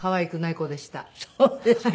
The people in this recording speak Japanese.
そうですか。